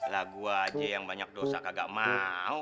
lah gue aja yang banyak dosa kagak mau